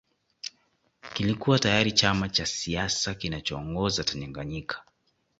Kilikuwa tayari chama cha siasa kinachoongoza Tanganyika